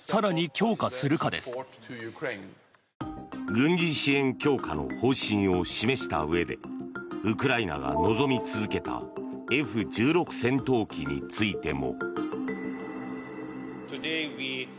軍事支援強化の方針を示したうえでウクライナが望み続けたＦ１６戦闘機についても。